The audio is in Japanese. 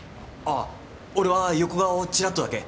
ああ俺は横顔をチラッとだけ。